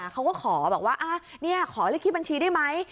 เขาก็ขอบอกว่าขอเลขที่บัญชีได้ไหม